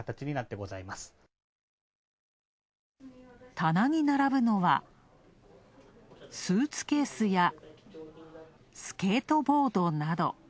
棚に並ぶのは、スーツケースや、スケートボードなど。